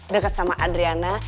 deket sama adriana